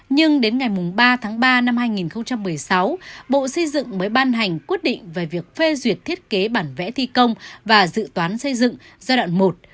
nhưng đến ngày ba tháng ba năm hai nghìn một mươi sáu bộ xây dựng mới ban hành quyết định về việc phê duyệt thiết kế bản vẽ thi công và dự toán xây dựng giai đoạn một